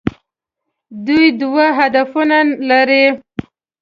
دوی دوه هدفونه لرل.